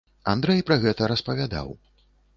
Андрэй пра гэта распавядаў.